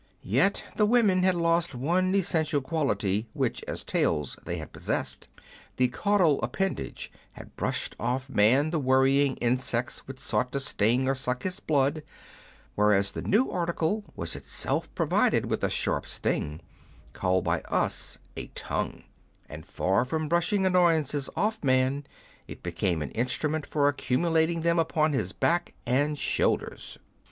Yet the women had lost one essential quality which as tails they had possessed. The caudal appendage had brushed off man the worrying insects which sought to sting or suck his blood, whereas the new article was itself provided with a sharp sting, called by us a tongue ; and far from brushing annoyances off man, it became an instrument for accumulating them upon his back and shoulders.